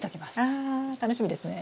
あ楽しみですね！